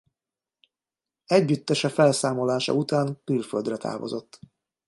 Együttese felszámolása után külföldre távozott.